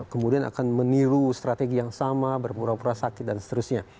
kemudian akan meniru strategi yang sama berpura pura sakit dan seterusnya